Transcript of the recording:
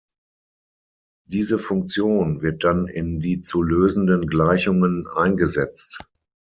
Diese Funktion wird dann in die zu lösenden Gleichungen eingesetzt.